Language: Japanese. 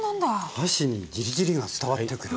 箸にジリジリが伝わってくると。